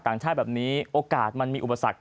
ต่างชาติแบบนี้โอกาสมันมีอุปสรรค